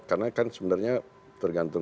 karena kan sebenarnya tergantung